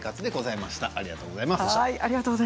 ありがとうございます。